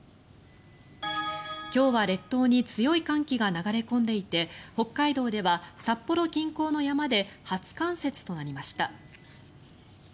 今日は列島に強い寒気が流れ込んでいて北海道では札幌近郊の山で初冠雪となりました。